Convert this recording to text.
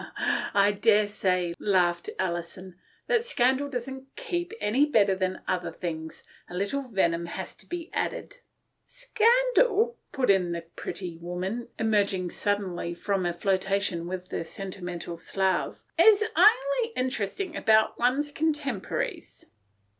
" I daresay," laughed Alison, " that scandal doesn't i keep ' any better than other things. A little venom has to be added." " Scandal," put in the pretty woman, emerg ing suddenly from a flirtation with the senti mental Slav, " is only interesting about one's contemporaries."